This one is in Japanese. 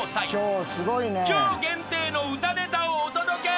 ［超限定の歌ネタをお届け］